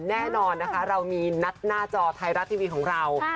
แน่นอนนะคะเรามีนัดหน้าจอไทยรัฐทีวีของเรา